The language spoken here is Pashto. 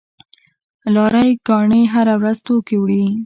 لاری ګانې هره ورځ توکي وړي.